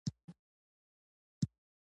هغه و خندل چې ما ته یې ډېر خوند راکړ.